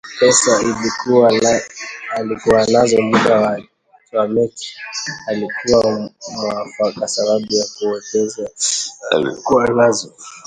Pesa alikuwa nazo, muda wa mechi ulikuwa mwafaka, sababu za kuwekeza alikuwa nazo